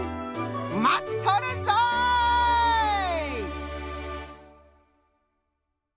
まっとるぞい！